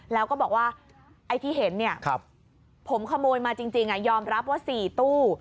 แล้วก็บอกว่าไอ้ที่เห็นเนี่ยผมขโมยมาจริงยอมรับว่า๔ตู้